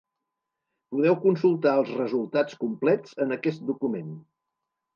Podeu consultar els resultats complets en aquest document.